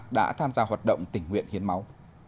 đã tham gia hoạt động tình nguyện hiến máu